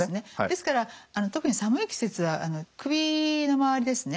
ですから特に寒い季節は首の周りですね